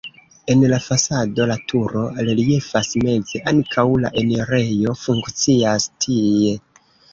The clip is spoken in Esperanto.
En la fasado la turo reliefas meze, ankaŭ la enirejo funkcias tie.